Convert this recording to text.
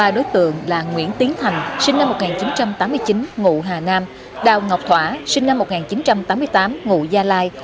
ba đối tượng là nguyễn tiến thành sinh năm một nghìn chín trăm tám mươi chín ngụ hà nam đào ngọc thỏa sinh năm một nghìn chín trăm tám mươi tám ngụ gia lai